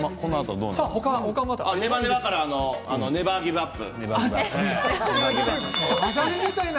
ネバネバからネバーギブアップ。